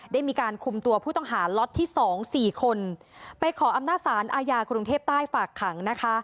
ได้มีการคุมตัวผู้ต้องหาล็อตที่๒๔คนไปขออำนาจสารอาญากรุงเทพใต้ฝากขังนะคะ